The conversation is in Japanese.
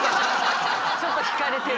ちょっとひかれてる。